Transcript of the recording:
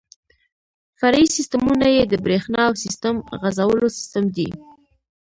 فرعي سیسټمونه یې د بریښنا او سیسټم غځولو سیستم دی.